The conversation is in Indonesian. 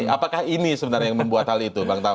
apakah ini sebenarnya yang membuat hal itu bang taufi